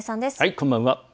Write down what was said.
こんばんは。